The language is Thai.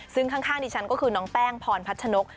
ซึ่งข้างดิฉันก็คือน้องแป้งพรพัชนก